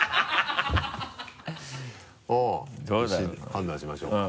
判断しましょうか。